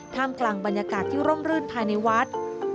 กลางบรรยากาศที่ร่มรื่นภายในวัด